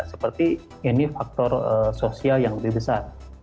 seperti ini faktor sosial yang lebih besar